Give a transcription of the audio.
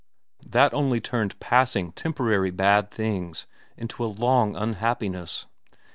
That only turned passing, temporary bad things into a long unhappiness.